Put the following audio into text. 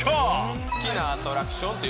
好きなアトラクションといっ